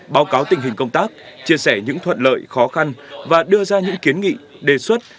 báo cáo tình hình công tác chia sẻ những thuận lợi khó khăn và đưa ra những kiến nghị đề xuất